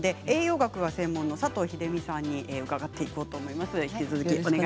栄養学がご専門佐藤秀美さんに伺っていこうと思います。